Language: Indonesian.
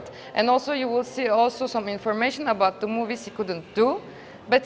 dan juga anda akan melihat beberapa informasi tentang film film yang tidak bisa dibuat